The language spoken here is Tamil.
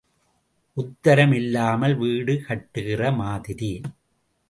உத்தரம் இல்லாமல் வீடு கட்டுகிற மாதிரி.